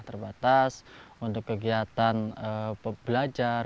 terbatas untuk kegiatan belajar